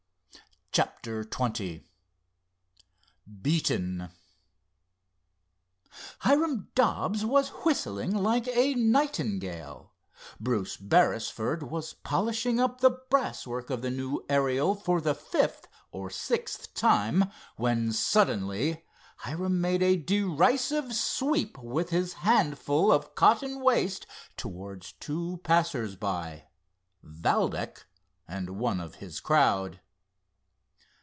CHAPTER XX BEATEN Hiram Dobbs was whistling like a nightingale, Bruce Beresford was polishing up the brass work of the new Ariel for the fifth or sixth time, when suddenly Hiram made a derisive sweep with his handful of cotton waste towards two passers by—Valdec and one of his crowd.